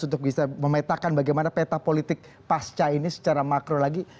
untuk bisa memetakan bagaimana peta politik pasca ini secara makro lagi